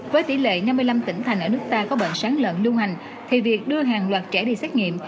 với tỷ lệ năm mươi năm tỉnh thành ở nước ta có bệnh sán lợn lưu hành thì việc đưa hàng loạt trẻ đi xét nghiệm